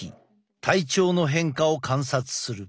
体調の変化を観察する。